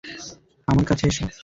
আমার কাছে এসো!